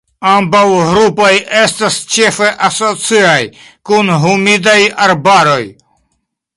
Ambaŭ grupoj estas ĉefe asociaj kun humidaj arbaroj.